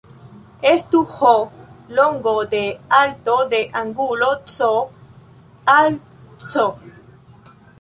Estu "h" longo de alto de angulo "C" al "c".